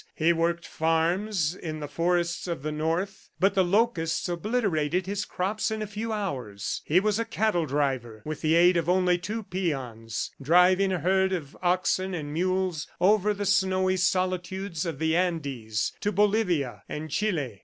He worked farms in the forests of the North, but the locusts obliterated his crops in a few hours. He was a cattle driver, with the aid of only two peons, driving a herd of oxen and mules over the snowy solitudes of the Andes to Bolivia and Chile.